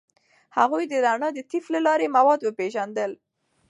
هغوی د رڼا د طیف له لارې مواد وپیژندل.